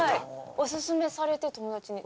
おすすめされて友達に。